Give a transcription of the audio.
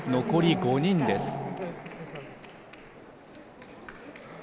残り５人です。